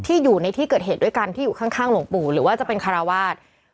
อยู่ในที่เกิดเหตุด้วยกันที่อยู่ข้างหลวงปู่หรือว่าจะเป็นคาราวาส